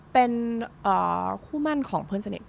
เป็นคู่มั่นของเพื่อนสนิท